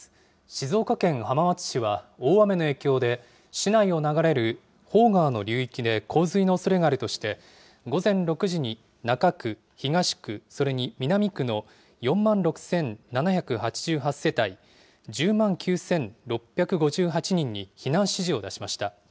静岡県浜松市は、大雨の影響で、市内を流れる芳川の流域で洪水のおそれがあるとして、午前６時に中区、東区、それに南区の４万６７８８世帯１０万９６５８人に避難指示を出しました。